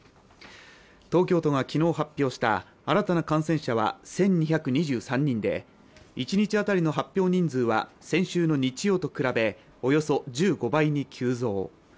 東京都が昨日発表した新たな感染者は１２２３人で一日当たりの発表人数は先週の日曜と比べおよそ１５倍に急増。